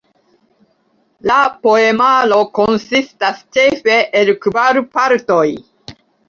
La poemaro konsistas ĉefe el kvar partoj.